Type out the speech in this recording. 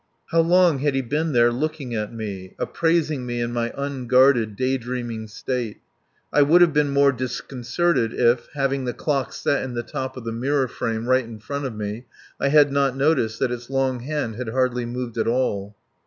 How long had he been there looking at me, appraising me in my unguarded day dreaming state? I would have been more disconcerted if, having the clock set in the top of the mirror frame right in front of me, I had not noticed that its long hand had hardly moved at all.